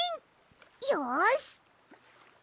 よし！